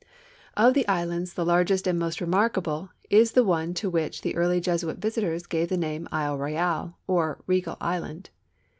Of the islands the largest and most remarkable is the one to which the early Jesuit visitors gave the name of Isle Royah', or Regal island.